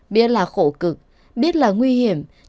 biết là khổ cực biết là nguy hiểm